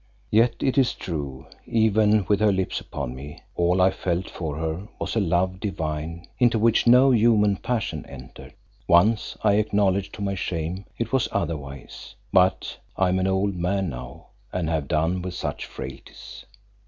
Yet it is true, even with her lips upon me, all I felt for her was a love divine into which no human passion entered. Once, I acknowledge to my shame, it was otherwise, but I am an old man now and have done with such frailties.